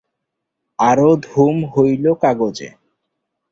আরো ধুম হইল কাগজে।